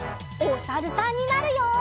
おさるさんになるよ！